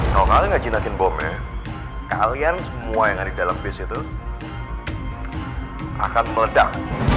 kalau kalian gak jinakin bomnya kalian semua yang ada di dalam bis itu akan meledak